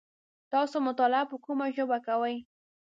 تاسو مطالعه په کومه ژبه کوی ؟